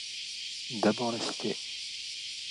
D'abord la Cité.